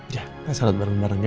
ya kita sholat bareng bareng ya